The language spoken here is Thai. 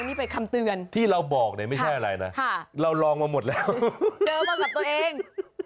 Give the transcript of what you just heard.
นี่เป็นคำเตือนที่เราบอกเนี่ยไม่ใช่อะไรนะเราลองมาหมดแล้วเจอมากับตัวเอง